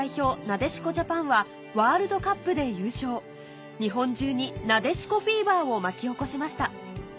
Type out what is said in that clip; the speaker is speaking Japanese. なでしこジャパンはワールドカップで優勝日本中にを巻き起こしました